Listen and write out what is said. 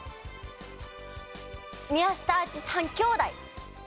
宮下アーチ３兄弟。